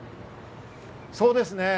そうですね。